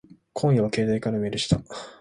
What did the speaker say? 今夜は携帯からメールした。